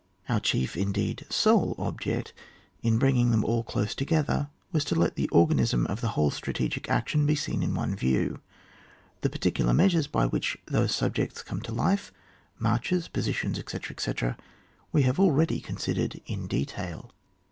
Our chief, and, indeed, sole object in bringing them all close together, was to let the organism of the whole strategic action be seen in one view ; the particular mea sures by means of which those subjects come to life, marches, positions, etc., etc., we have already considered in detail.